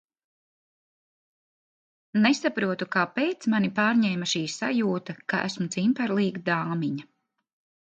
Nesaprotu, kāpēc mani pārņēma šī sajūta, ka esmu cimperlīga dāmiņa?